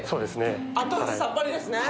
後味さっぱりですね。